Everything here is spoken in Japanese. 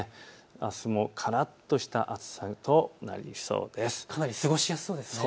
あすもからっとした暑さとなりそうです。